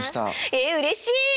ええうれしい！